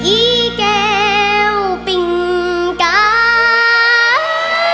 อีแก้วปิงการ